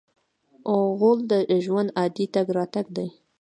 غول د ژوند عادي تګ راتګ دی.